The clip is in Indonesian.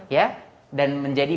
ya dan menjadi